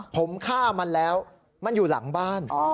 ผมฆ่ามันแล้วมันอยู่หลังบ้าน